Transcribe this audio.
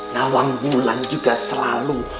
nawang bulan juga selalu